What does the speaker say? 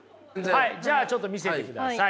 じゃあちょっと見せてください。